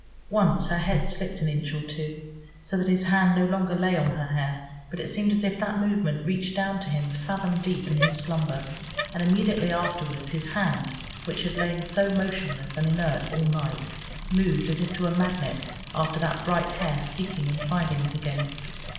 Once her head slipped an inch or two, so that his hand no longer lay on her hair, but it seemed as if that movement reached down to him fathom deep in his slumber and immediately afterwards his hand, which had lain so motionless and inert all night, moved, as if to a magnet, after that bright hair, seeking and finding it again.